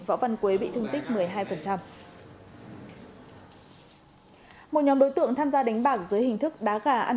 võ văn quế bị thương tích một mươi hai một nhóm đối tượng tham gia đánh bạc dưới hình thức đá gà ăn